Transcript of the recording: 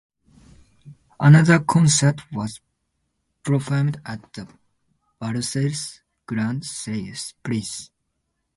Another concert was performed at the Brussels' Grand Place.